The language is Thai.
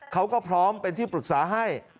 เขาก็พร้อมเป็นที่ปรึกษาให้